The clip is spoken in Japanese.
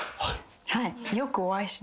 はい。